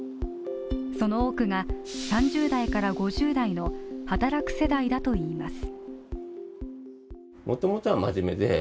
その多くが３０代から５０代の働く世代だといいます。